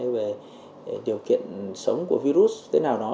về điều kiện sống của virus thế nào đó